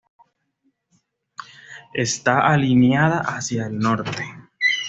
Está alineada hacia el norte.